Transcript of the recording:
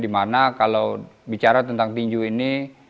di mana kalau bicara tentang tinju ini